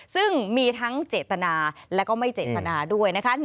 ซึ่งมีทั้งเจตนาและก็ไม่เจตนาด้วยนะคะ